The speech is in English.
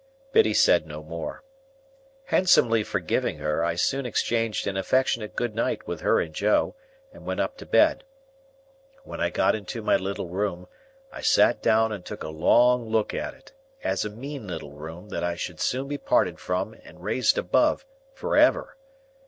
Biddy said no more. Handsomely forgiving her, I soon exchanged an affectionate good night with her and Joe, and went up to bed. When I got into my little room, I sat down and took a long look at it, as a mean little room that I should soon be parted from and raised above, for ever.